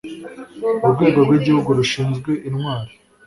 urwego rw'igihugu rushinzwe intwari